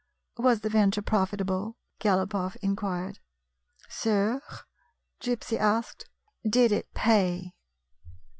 "Was the venture profitable?" Galopoff in quired. " Sir? " Gypsy asked. " Did it pay